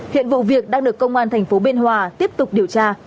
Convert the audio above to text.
hiện vụ việc đang được công an thành phố biên hòa tiếp tục điều tra